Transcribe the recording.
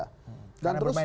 karena bermain di indonesia